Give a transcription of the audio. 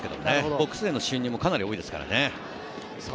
ボックスへの進入もかなり多いですからね。